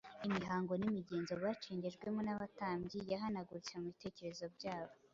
Imihango n’imigenzo bacengejwemo n’abatambyi yahanaguritse mu bitekerezo byabo,